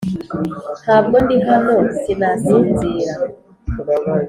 ntabwo ndi hano; sinasinzira.